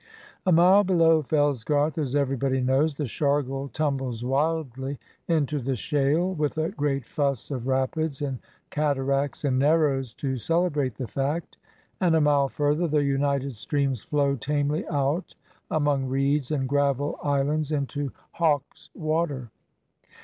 A mile below Fellsgarth, as everybody knows, the Shargle tumbles wildly into the Shayle, with a great fuss of rapids and cataracts and "narrows" to celebrate the fact; and a mile further, the united streams flow tamely out among reeds and gravel islands into Hawkswater.